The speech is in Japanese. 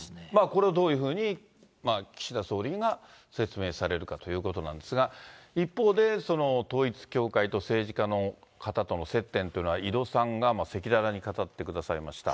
これをどういうふうに、岸田総理が説明されるかということなんですが、一方で、統一教会と政治家の方との接点というのは、井戸さんが赤裸々に語ってくださいました。